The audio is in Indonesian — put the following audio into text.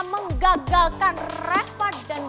mengagalkan reva dan